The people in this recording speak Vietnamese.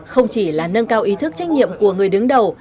không chỉ là nâng cao ý thức trách nhiệm của người đứng đầu